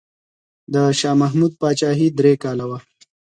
د شاه محمود پاچاهي درې کاله وه.